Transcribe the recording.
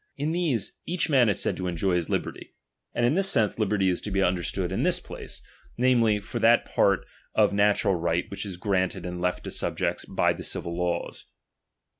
In these, each man is said to enjoy his liberty ; and in this sense liberty is to be under stood in this place, namely, for that part of natural right which is granted and left to subjects by the civil laws.